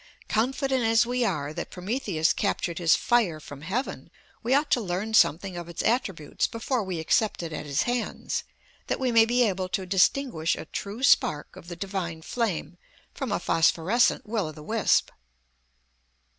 Confident as we are that Prometheus captured his fire from Heaven, we ought to learn something of its attributes before we accept it at his hands, that we may be able to distinguish a true spark of the divine flame from a phosphorescent will o' the wisp.